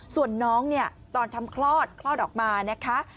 ส่วนน้องเนี่ยตอนทำคลอดคลอดออกมานะคะ